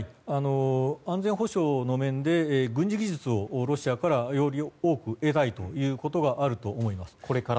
安全保障の面で軍事技術をロシアからより多く得たいということがあると思います。